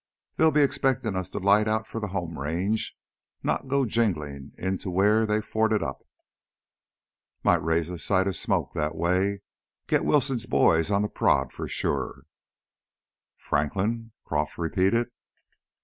They'll be expectin' us to light out for the home range, not go jinglin' in to wheah they've forted up. Might raise a sight of smoke that way. Git Wilson's boys on the prod, for sure." "Franklin ?" Croff repeated.